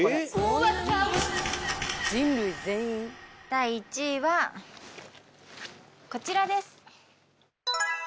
第１位はこちらです。